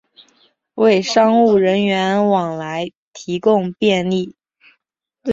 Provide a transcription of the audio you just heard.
为商务人员往来提供便利